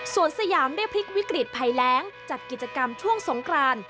ส่วนสยามได้พลิกวิกฤตภัยแรงจัดกิจกรรมช่วงสงคราน